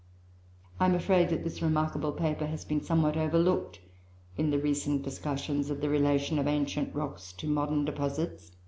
I am afraid that this remarkable paper has been somewhat overlooked in the recent discussions of the relation of ancient rocks to modern deposits.